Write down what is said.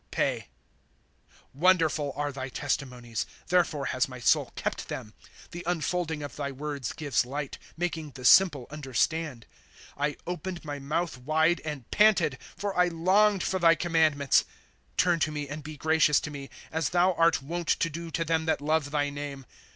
Pe. ' Wonderful are tliy testimonies ; Therefore has my soul kept them. '' The unfolding of thy words gives light, Making the simple understand, ' I opened my mouth wide, and panted ; For I longed for thy commandments. ' Turn to me, and be gracious to me, As thou art wont to do to them that love thy name.